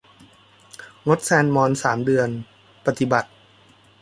งดแซลมอนสามเดือน ปฏิบัติ